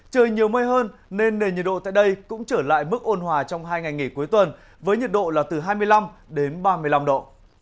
trời nhiều mây hơn nên nền nhiệt độ tại đây cũng trở lại mức ôn hòa trong hai ngày nghỉ cuối tuần với nhiệt độ là từ hai mươi năm đến ba mươi năm độ